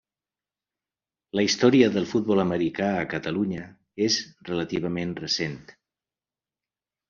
La història del futbol americà a Catalunya és relativament recent.